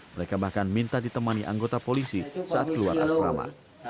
mereka bahkan minta ditemani anggota polisi saat keluar asrama